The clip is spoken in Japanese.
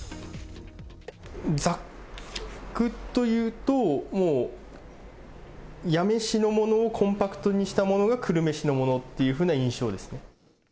ざくっと言うと、もう八女市のものをコンパクトにしたものが、久留米市のものというふうな印象ですね。